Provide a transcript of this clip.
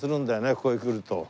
ここへ来ると。